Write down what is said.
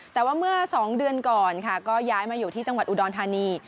แต่ว่าเมื่อ๒เดือนก่อนค่ะก็ย้ายมาอยู่ที่จังหวัดอุดรธานี